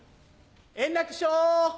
円楽師匠！